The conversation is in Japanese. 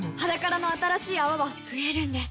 「ｈａｄａｋａｒａ」の新しい泡は増えるんです